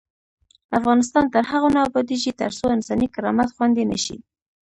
افغانستان تر هغو نه ابادیږي، ترڅو انساني کرامت خوندي نشي.